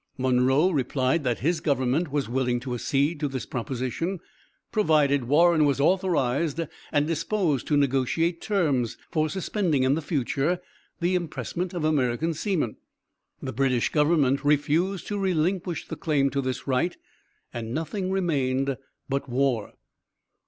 Monroe replied that his government was willing to accede to this proposition, provided Warren was authorized and disposed to negotiate terms for suspending in the future the impressment of American seamen. The British Government refused to relinquish the claim to this right and nothing remained but war.